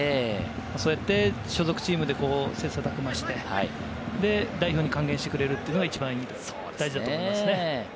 そうやって、所属チームで切磋琢磨して、それで代表に還元してくれるというのが一番大事だと思いますね。